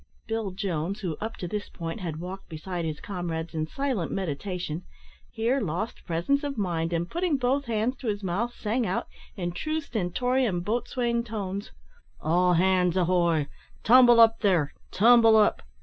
Bill Jones, who, up to this point, had walked beside his comrades in silent meditation, here lost presence of mind and, putting both hands to his mouth, sang out, in true stentorian boatswain tones, "All hands ahoy! tumble up there tumble up!"